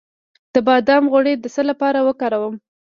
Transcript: د بادام غوړي د څه لپاره وکاروم؟